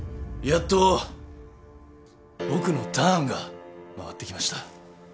やっと僕のターンが回ってきました。